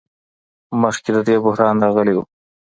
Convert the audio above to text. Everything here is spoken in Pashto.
مخکي د دې بحران راغلی و.